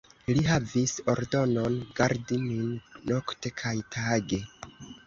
Li havis ordonon, gardi nin nokte kaj tage.